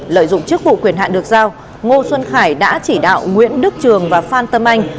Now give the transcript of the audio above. lợi dụng chức vụ quyền hạn được giao ngô xuân khải đã chỉ đạo nguyễn đức trường và phan tâm anh